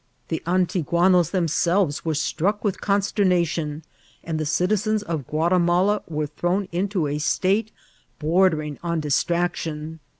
The Antigi^os themselves were struck with con sternation, and the citizens of Guatimala were thrown into a state bordering on distraction.